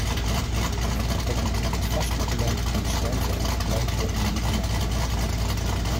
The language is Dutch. Met betrekking tot het vastgoedbeleid onderschrijven en bepleiten we een langetermijnbeleid.